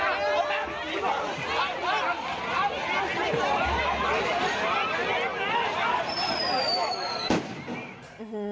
อะไรของอย่าทิ้ง